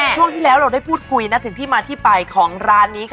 ช่วงที่แล้วเราได้พูดคุยนะถึงที่มาที่ไปของร้านนี้ค่ะ